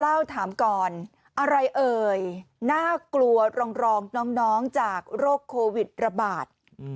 เล่าถามก่อนอะไรเอ่ยน่ากลัวรองน้องจากโรคโควิดระบาด